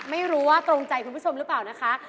ไม่รู้ว่าตรงใจคุณผู้ชมหรือเปล่านะคะ